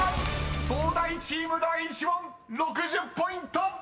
［東大チーム第１問６０ポイント！］